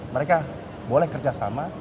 mereka boleh kerja sama